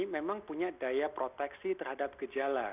memang punya daya proteksi terhadap gejala